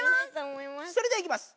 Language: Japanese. それではいきます！